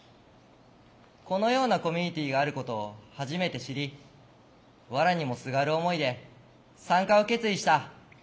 このようなコミュニティーがあることを初めて知りわらにもすがる思いで参加を決意した。